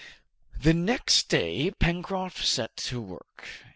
The next day Pencroft set to work.